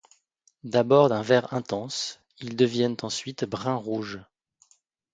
D'abord d'un vert intense, ils deviennent ensuite brun-rouge.